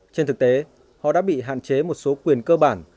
trên thực tế họ đã bị hạn chế một số quyền cơ bản